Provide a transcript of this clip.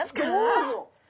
どうぞ！